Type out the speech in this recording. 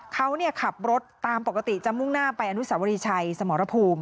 เขาขับรถตามปกติจะมุ่งหน้าไปอนุสาวรีชัยสมรภูมิ